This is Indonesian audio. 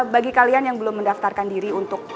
bagi kalian yang belum mendaftarkan diri untuk